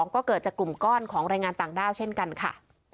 ก็เกิดจากกลุ่มก้อนของรายงานต่างด้าวเช่นกันค่ะ